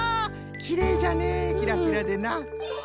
きれいじゃねキラキラでな。